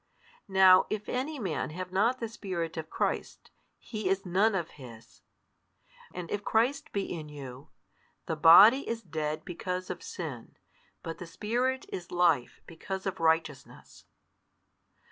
Now if any man have not the Spirit of Christ, he is none of His. And if Christ be in you, the body |146 is dead because of sin, but the Spirit is life because of righteousness.